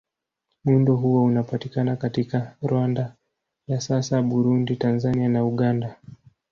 Muundo huo unapatikana katika Rwanda ya sasa, Burundi, Tanzania na Uganda.